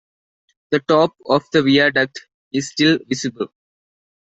The top of the viaduct is still visible.